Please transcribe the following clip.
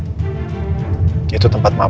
di rumah lama aku yang ditempatin sama roy